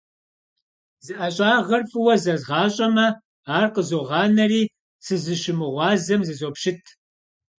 Зы ӀэщӀагъэр фӀыуэ зэзгъащӀэмэ, ар къызогъанэри, сызыщымыгъуазэм зызопщыт.